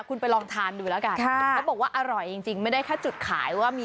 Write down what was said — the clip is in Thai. อะคุณไปลองทานดูละกัน